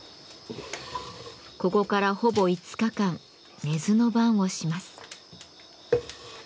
ここからほぼ５日間寝ずの番をします。